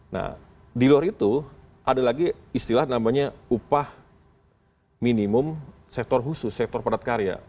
nah di luar itu ada lagi istilah namanya upah minimum sektor khusus sektor padat karya